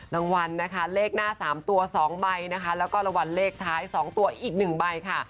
รางวัลนะคะเลขหน้า๓ตัว๒ใบนะคะแล้วก็รางวัลเลขท้าย๒ตัวอีก๑ใบค่ะ